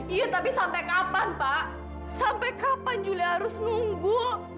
iya tapi sampai kapan pak sampai kapan juli harus nunggu